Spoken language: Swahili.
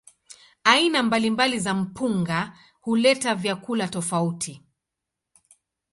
Aina mbalimbali za mpunga huleta vyakula tofauti.